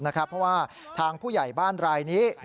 เพราะว่าทางผู้ใหญ่บ้านรายนี้